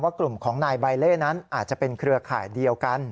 กลุ่มของนายใบเล่นั้นอาจจะเป็นเครือข่ายเดียวกัน